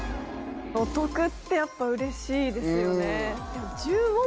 お得ってやっぱうれしいですよね。